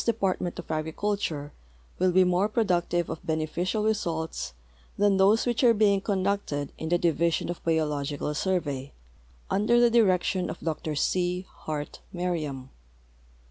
DeiDartment of Agriculture Avill be more productive of beneficial results than those which are being conducted in the Division of Biological Surve}^, under the direction of Dr C. Hart Merriam.